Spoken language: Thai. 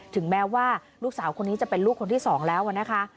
ถึงแม้ว่าลูกสาวคนนี้จะเป็นลูกคนที่สองแล้วนะคะ